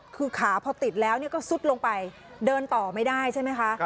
คือขาพอติดแล้วก็ซุดลงไปเดินต่อไม่ได้ใช่ไหมคะ